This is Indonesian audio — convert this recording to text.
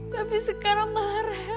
tapi sekarang malah reva